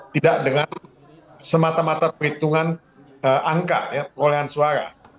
tidak dengan semata mata perhitungan angka ya perolehan suara